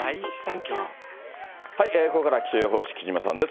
ここからは気象予報士、木島さんです。